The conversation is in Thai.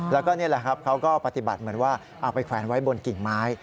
แล้วก็นี่แหละครับเขาก็ปฏิบัติเหมือนว่าเอาไปแขวนไว้บนกิ่งไม้